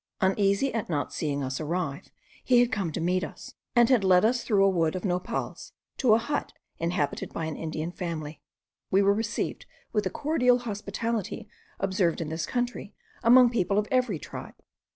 Uneasy at not seeing us arrive, he had come to meet us, and he led us through a wood of nopals to a hut inhabited by an Indian family. We were received with the cordial hospitality observed in this country among people of every tribe.